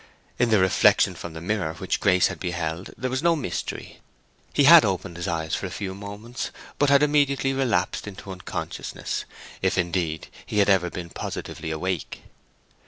In the reflection from the mirror which Grace had beheld there was no mystery; he had opened his eyes for a few moments, but had immediately relapsed into unconsciousness, if, indeed, he had ever been positively awake.